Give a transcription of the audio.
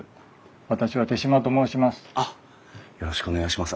私は手島と申します。